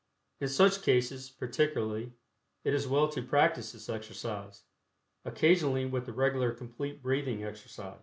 In such cases, particularly, It Is well to practice this exercise, occasionally with the regular Complete Breathing exercise.